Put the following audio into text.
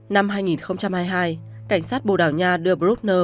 năm hai nghìn hai mươi hai cảnh sát bồ đào nha đưa brugner